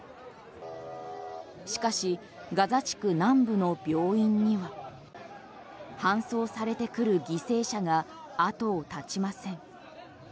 しかしガザ地区南部の病院には搬送されてくる犠牲者が後を絶ちません。